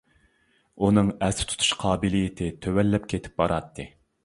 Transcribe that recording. ئۇنىڭ ئەستە تۇتۇش قابىلىيىتى تۆۋەنلەپ كېتىپ باراتتى.